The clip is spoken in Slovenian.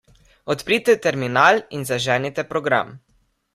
Odprite terminal in zaženite program.